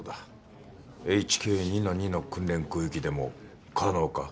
ＨＫ２−２の訓練空域でも可能か？